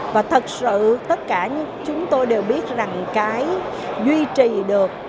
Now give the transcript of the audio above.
và thật sự tất cả như chúng tôi đều biết rằng cái duy trì được